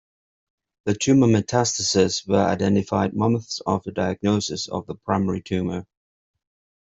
The Tumour metastases were identified months after diagnosis of the primary tumour.